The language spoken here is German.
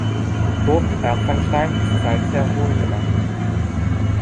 Burg Erfenstein ist seither Ruine.